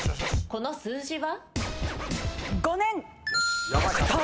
この数字は？